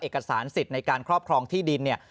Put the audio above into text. เอกสารสิทธิ์ในการครอบครองที่ดินเนี่ย